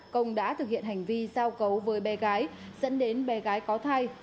công đã thực hiện hành vi giao cấu với bé gái dẫn đến bé gái có thai